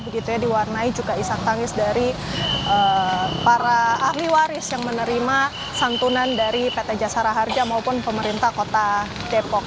begitu ya diwarnai juga isak tangis dari para ahli waris yang menerima santunan dari pt jasara harja maupun pemerintah kota depok